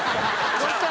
どうした？